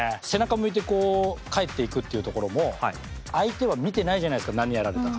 向いてこう帰っていくっていうところも相手は見てないじゃないですか何やられたか。